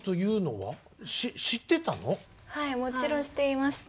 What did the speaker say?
はいもちろん知っていました。